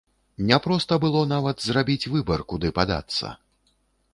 Няпроста было нават зрабіць выбар, куды падацца.